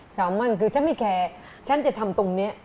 สามมั่นคือฉันไม่แคร์ฉันจะทำตรงนี้